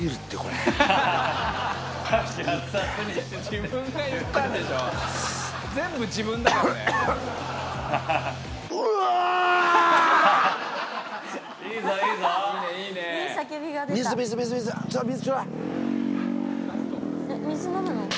自分が言ったんでしょ全部自分だからねえっ水飲むの？